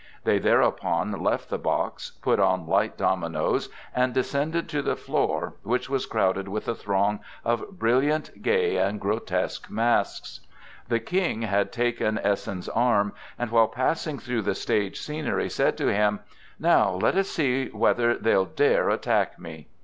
They thereupon left the box, put on light dominoes and descended to the floor, which was crowded with a throng of brilliant, gay and grotesque masks. The King had taken Essen's arm, and while passing through the stage scenery said to him: "Now let us see whether they'll dare attack me!"